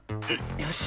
よし！